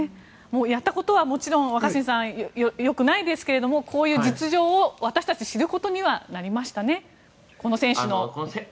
やったことはもちろん若新さん、よくないですけどこういう実情を私たちは知ることになりましたね。